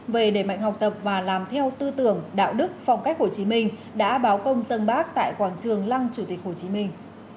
về đề mạnh học tập và làm theo tư tưởng đạo đức phong cách hồ chí minh đã báo công dân bác tại quảng trường lăng chủ tịch hồ chí minh